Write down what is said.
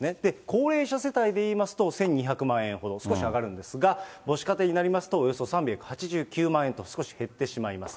高齢者世帯でいいますと、１２００万円ほど、少し上がるんですが、母子家庭になりますと、およそ３８９万円と、少し減ってしまいます。